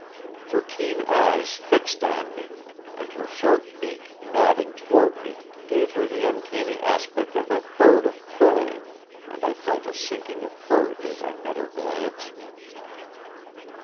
Her keen eyes fixed on me and her sharp beak nodding toward me gave her the uncanny aspect of a bird of prey, and I felt a sinking of courage as I met her glance.